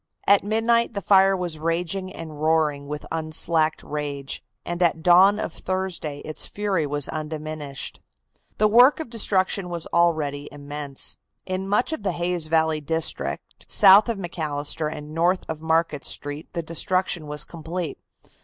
At midnight the fire was raging and roaring with unslacked rage, and at dawn of Thursday its fury was undiminished. The work of destruction was already immense. In much of the Hayes Valley district, south of McAllister and north of Market Street, the destruction was complete.